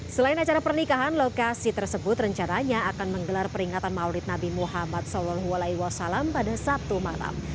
selain acara pernikahan lokasi tersebut rencananya akan menggelar peringatan maulid nabi muhammad saw pada sabtu malam